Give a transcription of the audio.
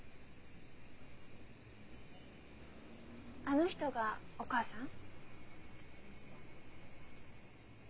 あの人がお母さん？